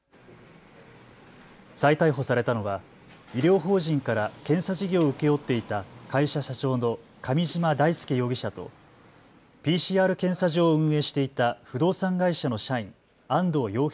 再逮捕されたのは医療法人から検査事業を請け負っていた会社社長の上嶋大輔容疑者とＰＣＲ検査場を運営していた不動産会社の社員、安藤陽平